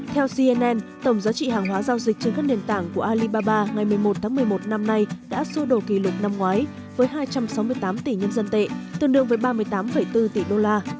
theo cnn tổng giá trị hàng hóa giao dịch trên các nền tảng của alibaba ngày một mươi một tháng một mươi một năm nay đã xua đổ kỷ lục năm ngoái với hai trăm sáu mươi tám tỷ nhân dân tệ tương đương với ba mươi tám bốn tỷ đô la